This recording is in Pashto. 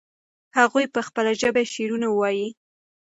هغوی په خپله ژبه شعرونه وایي.